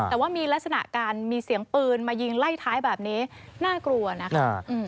แต่ว่ามีลักษณะการมีเสียงปืนมายิงไล่ท้ายแบบนี้น่ากลัวนะคะ